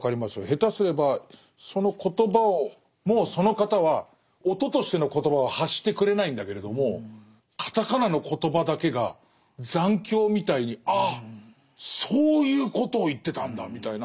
下手すればそのコトバをもうその方は音としての言葉は発してくれないんだけれどもカタカナのコトバだけが残響みたいにああそういうことを言ってたんだみたいな。